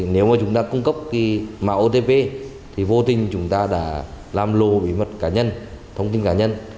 nếu mà chúng ta cung cấp cái mạng otp thì vô tình chúng ta đã làm lồ bí mật cá nhân thông tin cá nhân